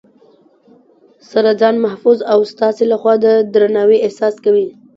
سره ځان محفوظ او ستاسې لخوا د درناوي احساس کوي